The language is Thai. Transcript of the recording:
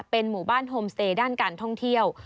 เป็นหมู่บ้านโฮมสเตย์ด้านการท่องเที่ยว